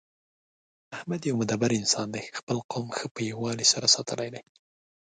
احمد یو مدبر انسان دی. خپل قوم ښه په یووالي سره ساتلی دی